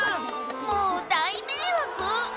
もう大迷惑。